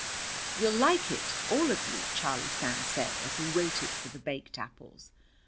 "You'll like it, all of you," Charlie Sands said as we waited for the baked apples.